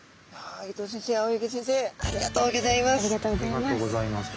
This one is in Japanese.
ありがとうございます。